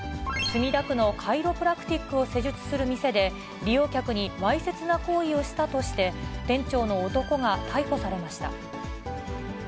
墨田区のカイロプラクティックを施術する店で、利用客にわいせつな行為をしたとして、店長の男が逮捕されました。